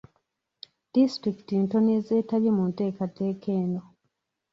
Disitulikiti ntono ez'etabye mu nteekateeka eno.